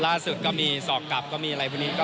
ล่าสุดก็มีสอกกลับก็มีอะไรพวกนี้